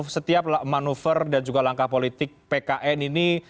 setiap manuver dan juga langkah politik pkn ini